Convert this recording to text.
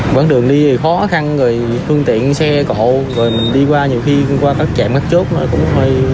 quảng đường đi thì khó khăn rồi phương tiện xe cổ rồi mình đi qua nhiều khi qua các chạy mắt chốt nó cũng hơi